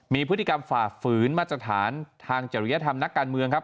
มีพฤติกรรมฝ่าฝืนมาตรฐานทางจริยธรรมนักการเมืองครับ